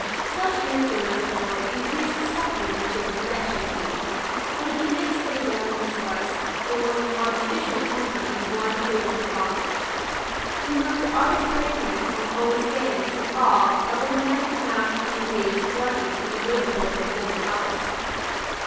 Such interference of course increased the suffering which it was meant to relieve. But in the midst of the general distress there was an artificial plenty in one favoured spot. The most arbitrary prince must always stand in some awe of an immense mass of human beings collected in the neighbourhood of his own palace.